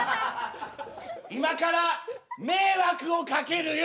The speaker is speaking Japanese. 今から迷惑をかけるよ！